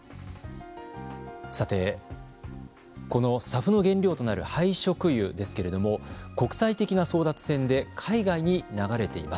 さて、このＳＡＦの原料となる廃食油ですけれども国際的な争奪戦で海外に流れています。